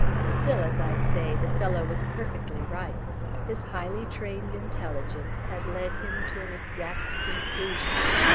Still, as I say, the fellow was perfectly right. His highly trained intelligence had led him to an exact conclusion.